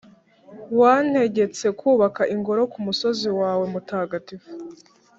Wantegetse kubaka Ingoro ku musozi wawe mutagatifu,